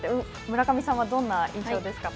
村上さんはどんな印象ですか。